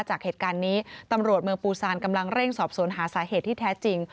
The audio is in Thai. จากเหตุการณ์นี้ตำรวจเมืองปูซานกำลังเร่งสอบสวนหาสาเหตุที่แท้จริง